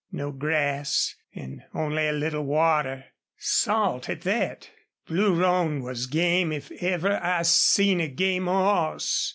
No grass an' only a little water, salt at thet. Blue Roan was game if ever I seen a game hoss.